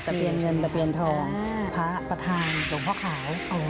ตะเพียนเงินตะเพียนทองอ่าพระประธานสมพคราว